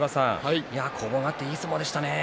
攻防があっていい相撲でしたね。